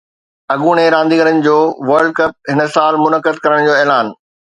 اڳوڻي رانديگرن جو ورلڊ ڪپ هن سال منعقد ڪرڻ جو اعلان